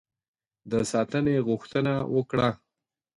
د ساتنې غوښتنه وکړه.